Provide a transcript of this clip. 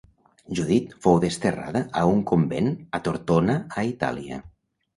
Judit fou desterrada a un convent a Tortona a Itàlia.